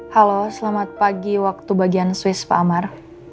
halo selamat pagi waktu bagian swiss pak amar